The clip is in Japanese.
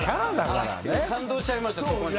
感動しちゃいました、そこに。